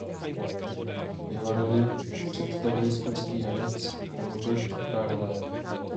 Jeho roli představuje skotský herec Robert Carlyle.